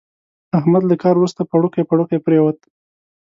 احمد له کار ورسته پړوکی پړوکی پرېوت.